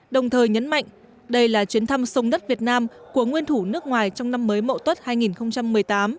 đồng thời nhấn mạnh đây là chuyến thăm sông đất việt nam của nguyên thủ nước ngoài trong năm mới mậu tuất hai nghìn một mươi tám